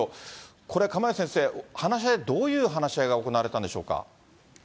これ、釜萢先生、話し合い、どういう話し合いが行われたんでしょうか。